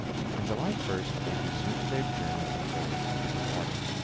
On July 1 they resumed their journey in fairly open water.